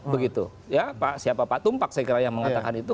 begitu ya siapa pak tumpak saya kira yang mengatakan itu